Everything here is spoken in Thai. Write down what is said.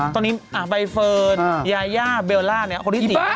ตอนนี้ใบเฟิร์นยาย่าเบลล่าเนี่ยคนที่ติดเป็นคนดำ